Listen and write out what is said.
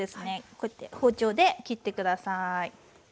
こうやって包丁で切って下さい。